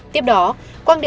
tiếp đó quang điều